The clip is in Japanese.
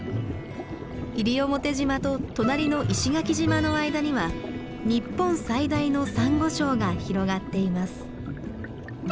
西表島と隣の石垣島の間には日本最大のサンゴ礁が広がっています。